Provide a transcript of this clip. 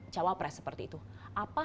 cawapres seperti itu apa